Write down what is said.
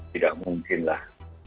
tidak mungkin lah